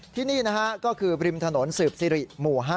ที่นี่นะฮะก็คือริมถนนสืบสิริหมู่๕